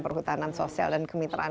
perhutanan sosial dan kemitraan